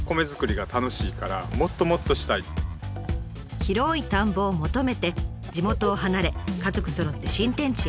広い田んぼを求めて地元を離れ家族そろって新天地へ移住。